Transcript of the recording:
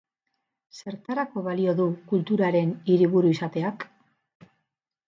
Zertarako balio du kulturaren hiriburu izateak?